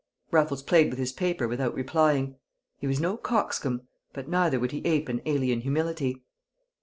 Raffles played with his paper without replying. He was no coxcomb. But neither would he ape an alien humility.